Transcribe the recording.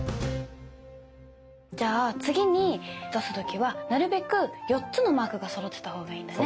じゃあ次に出す時はなるべく４つのマークがそろってた方がいいんだね。